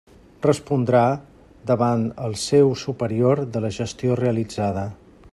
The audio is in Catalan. Respondrà davant el seu superior de la gestió realitzada.